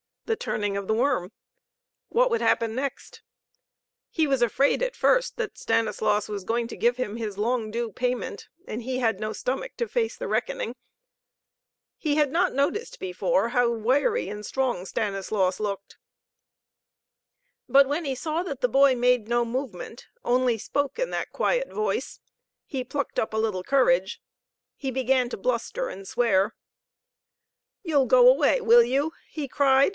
The turning of the worm! What would happen next! He was afraid at first that Stanislaus was going to give him his long due payment, and he had no stomach to face the reckoning. He had not noticed before how wiry and strong Stanislaus looked. But when he saw that the boy made no movement, only spoke in that quiet voice, he plucked up a little courage. He began to bluster and swear. "You'll go away, will you?" he cried.